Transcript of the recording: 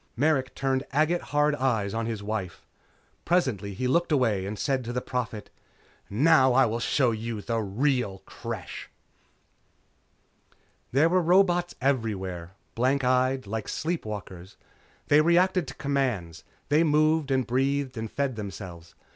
Merrick turned agate hard eyes on his wife. Presently he looked away and said to the Prophet. "Now I will show you the real Creche!" There were robots everywhere blank eyed, like sleep walkers. They reacted to commands. They moved and breathed and fed themselves.